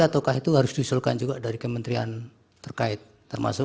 ataukah itu harus diusulkan juga dari kementerian terkait